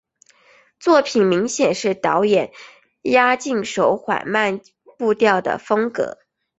作品明显是导演押井守缓慢步调的风格。